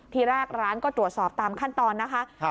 ทีแรกร้านก็ตรวจสอบตามขั้นตอนนะคะ